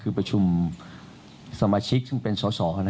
คือประชุมสมาชิกซึ่งเป็นสอสอ